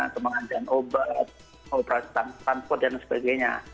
kemanjaan obat operasi transport dan sebagainya